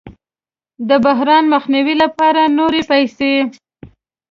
د بحران د مخنیوي لپاره نورې پیسې